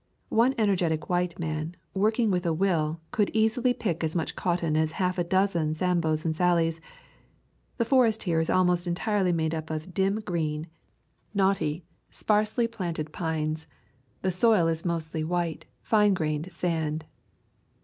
One energetic white man, working with a will, would easily pick as much cotton as half a dozen Sambos and Sallies. The forest here is — almost entirely made up of dim green, knotty, [ 51 ] A Thousand Mile Walk sparsely planted pines. The soil is mostly white, fine grained sand.